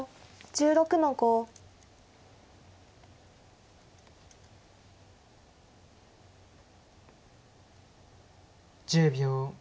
１０秒。